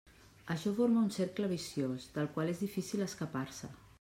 Això forma un cercle viciós del qual és difícil escapar-se.